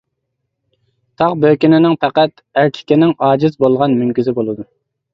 تاغ بۆكىنىنىڭ پەقەت ئەركىكىنىڭ ئاجىز بولغان مۈڭگۈزى بولىدۇ.